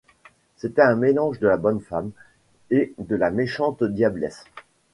C’était un mélange de la bonne femme et de la méchante diablesse.